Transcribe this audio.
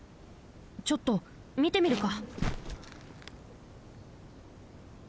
ちょっとみてみるか！